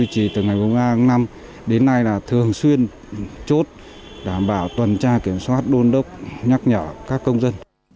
chỉ từ ngày ba tháng năm đến nay là thường xuyên chốt đảm bảo tuần tra kiểm soát đôn đốc nhắc nhở các công dân